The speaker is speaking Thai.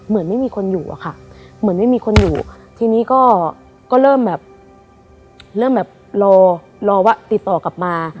เหมือนไม่มีคนอยู่อะค่ะเหมือนไม่มีคนอยู่ทีนี้ก็เริ่มแบบเริ่มแบบรอรอว่าติดต่อกลับมา